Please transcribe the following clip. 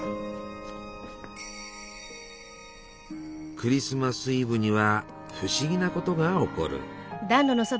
クリスマス・イブには不思議なことが起こる。